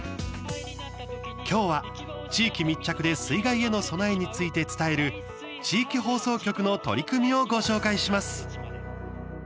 今日は、地域密着で水害への備えについて伝える地域放送局の取り組みをご紹介します。